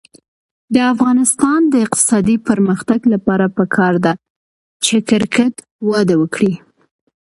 د افغانستان د اقتصادي پرمختګ لپاره پکار ده چې کرکټ وده وکړي.